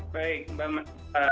baik mbak mbak